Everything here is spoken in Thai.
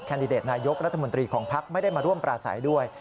ดิเดตนายกรัฐมนตรีของพักไม่ได้มาร่วมปราศัยด้วย